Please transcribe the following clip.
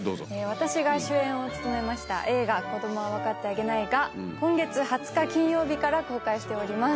私が主演を務めました映画『子供はわかってあげない』が今月２０日金曜日から公開しております。